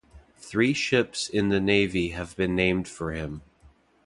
Three ships in the Navy have been named for him.